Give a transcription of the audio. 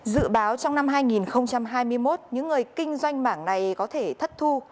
dự báo trong năm hai nghìn hai mươi một những người kinh doanh mảng này có thể thất thu